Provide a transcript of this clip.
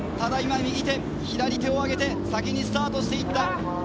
右手、左手を挙げて、先にスタートしていった。